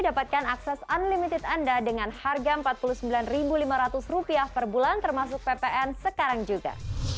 dapatkan akses unlimited anda dengan harga rp empat puluh sembilan lima ratus per bulan termasuk ppn sekarang juga